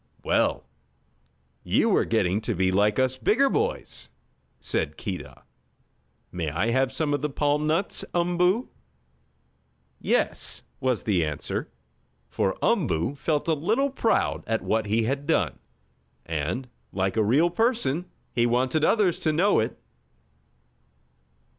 "Well, you are getting to be like us bigger boys," said Keedah. "May I have some of the palm nuts, Umboo?" "Yes," was the answer, for Umboo felt a little proud at what he had done, and, like a real person, he wanted others to know it.